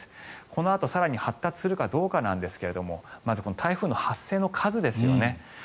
このあと更に発達するかどうかですがまずこの台風の発生の数ですよね。